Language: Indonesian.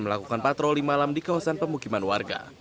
melakukan patroli malam di kawasan pemukiman warga